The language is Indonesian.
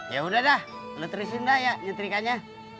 ya udah dah lo terusin dah ya istrikanya